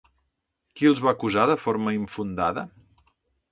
Qui els va acusar de forma infundada?